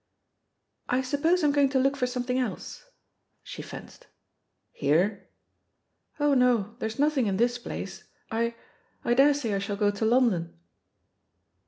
"I suppose I'm going to look for something else," she fenced. "Here?" "Oh no, there's nothing in this place. I — I daresay I shall go to London."